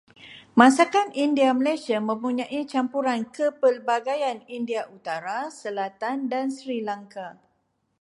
Masakan India Malaysia mempunyai campuran kepelbagaian India utara-selatan dan Sri Lanka.